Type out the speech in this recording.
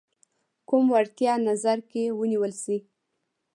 کوم وړتیا نظر کې ونیول شي.